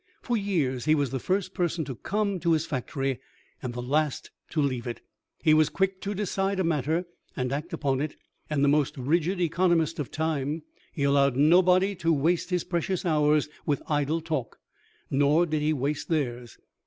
For years he was the first person to come to his factory, and the last to leave it. He was quick to decide a matter, and act upon it, and the most rigid economist of time. He allowed nobody to waste his precious hours with idle talk, nor did he waste theirs.